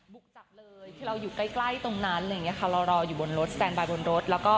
บุกจับเลยเราอยู่ใกล้ตรงนั้นเรารออยู่บนรถสแตนบายบนรถ